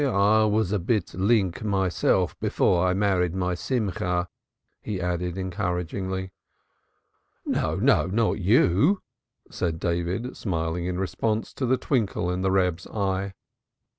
"I was a bit link myself before I married my Simcha" he added encouragingly. "No, no, not you," said David, smiling in response to the twinkle in the Reb's eye.